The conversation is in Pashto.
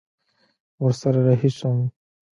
ورسره رهي سوم.